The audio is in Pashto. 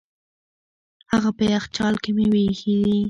هغه په یخچال کې مېوې ایښې دي.